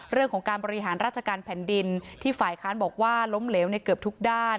เรื่องของการบริหารราชการแผ่นดินที่ฝ่ายค้านบอกว่าล้มเหลวในเกือบทุกด้าน